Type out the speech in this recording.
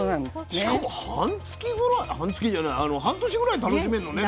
しかも半月ぐらい半月じゃない半年ぐらい楽しめるのね。